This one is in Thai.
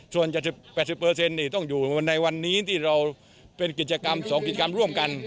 ส่วน๗๐๘๐ต้องอยู่ในวันนี้ที่เราเป็นกิจกรรม๒กิจกรรมร่วมกัน